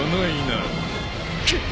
くっ。